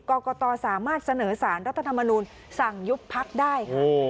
กรกตสามารถเสนอสารรัฐธรรมนูลสั่งยุบพักได้ค่ะ